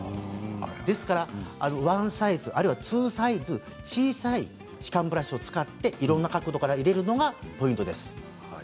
ですからワンサイズ、ツーサイズ小さい歯間ブラシを使っていろいろな角度から入れるのがポイントです。